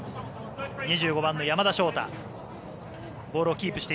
２５番の山田翔太。